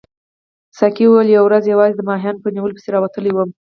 ساقي وویل یوه ورځ یوازې د ماهیانو په نیولو پسې راوتلی وم.